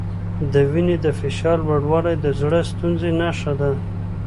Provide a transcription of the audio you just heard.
د وینې د فشار لوړوالی د زړۀ ستونزې نښه ده.